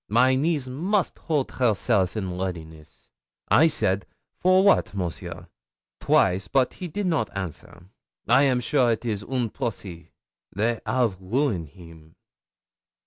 My niece must hold herself in readiness." I said, "For what, Monsieur?" twice; bote he did not answer. I am sure it is un procès. They 'av ruin him.